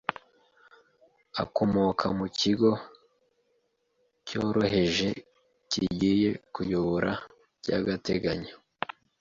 Akomoka mu kigo cyorohereje kigiye kuyobora by'agateganyo.